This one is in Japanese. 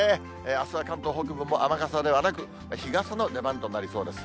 あすは関東北部も雨傘ではなく、日傘の出番となりそうです。